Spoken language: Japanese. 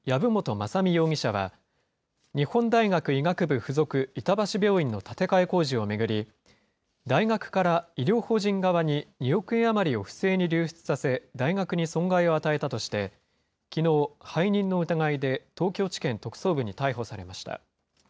雅巳容疑者は、日本大学医学部附属板橋病院の建て替え工事を巡り、大学から医療法人側に２億円余りを不正に流出させ、大学に損害を与えたとして、きのう、背任の疑いで東京地検特捜部に逮捕されました。